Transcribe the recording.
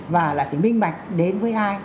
và là cái minh mạch đến với ai